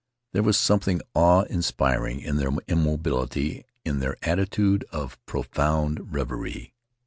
There was something awe inspiring in their immobility, in their attitude of profound reverie.